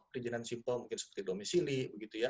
perizinan simple mungkin seperti domisili gitu ya